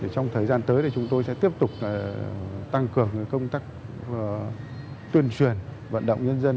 trong thời gian tới thì chúng tôi sẽ tiếp tục tăng cường công tác tuyên truyền vận động nhân dân